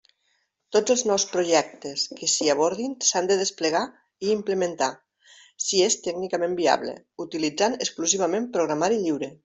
Tots els nous projectes que s'hi abordin s'han de desplegar i implementar, si és tècnicament viable, utilitzant exclusivament programari lliure.